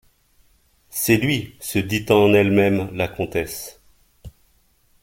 C’est lui, se dit en elle-même la comtesse.